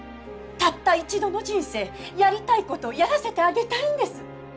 たった一度の人生やりたいことやらせてあげたいんです！